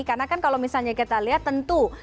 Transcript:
karena kan kalau misalnya kita lihat tentu